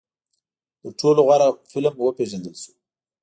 تر ټولو غوره فلم وپېژندل شو